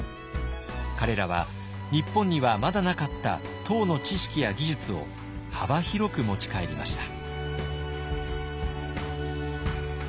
彼らは日本にはまだなかった唐の知識や技術を幅広く持ち帰りました。